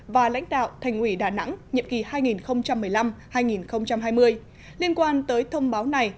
và lãnh đạo thành ủy đà nẵng nhiệm kỳ hai nghìn một mươi năm hai nghìn hai mươi liên quan tới thông báo này